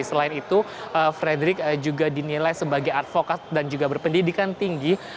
selain itu frederick juga dinilai sebagai advokat dan juga berpendidikan tinggi